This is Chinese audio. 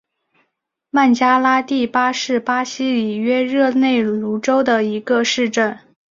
曼加拉蒂巴是巴西里约热内卢州的一个市镇。